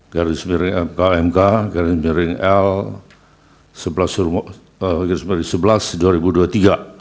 garis miring kmk garis miring l sebelas jum at sebelas jum at dua ribu dua puluh tiga